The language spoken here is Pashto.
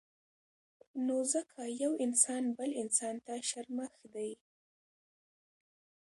نو ځکه يو انسان بل انسان ته شرمښ دی